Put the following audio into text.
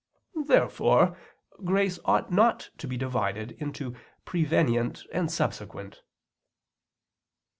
Therefore grace ought not to be divided into prevenient and subsequent.